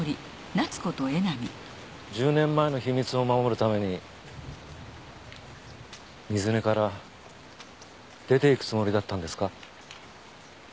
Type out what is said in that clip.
１０年前の秘密を守るために水根から出て行くつもりだったんですか？